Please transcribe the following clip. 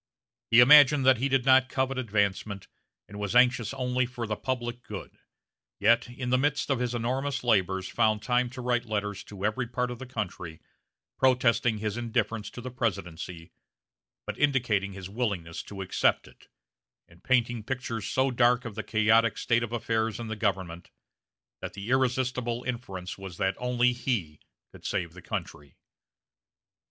He imagined that he did not covet advancement, and was anxious only for the public good; yet, in the midst of his enormous labors found time to write letters to every part of the country, protesting his indifference to the presidency, but indicating his willingness to accept it, and painting pictures so dark of the chaotic state of affairs in the government, that the irresistible inference was that only he could save the country.